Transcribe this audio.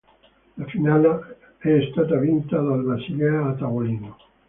La Finale è stata vinta dal Basilea a tavolino.